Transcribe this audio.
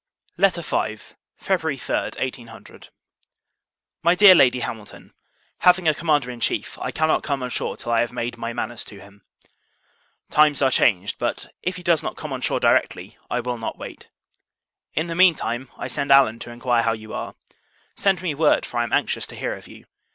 LETTER V. February 3, 1800. MY DEAR LADY HAMILTON, Having a Commander in Chief, I cannot come on shore till I have made my manners to him. Times are changed; but, if he does not come on shore directly, I will not wait. In the mean time, I send Allen to inquire how you are. Send me word, for I am anxious to hear of you.